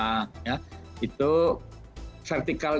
itu vertikal itu artinya rumah sakit itu bisa diimplementasikan